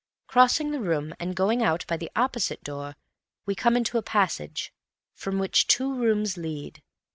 Crossing the room and going out by the opposite door, we come into a passage, from which two rooms lead.